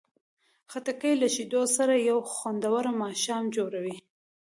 خټکی له شیدو سره یو خوندور ماښام جوړوي.